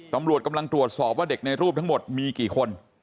ตำรวจกำลังตรวจสอบว่าเด็กในรูปทั้งหมดมีกี่คน